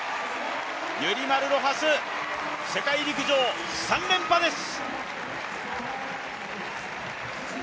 ユリマル・ロハス、世界陸上３連覇です。